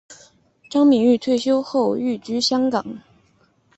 张敏钰退休后寓居香港。